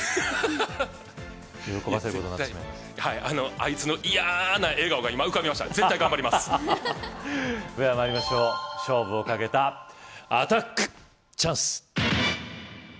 あいつの嫌な笑顔が今浮かびました絶対頑張りますでは参りましょう勝負をかけたアタックチャンス‼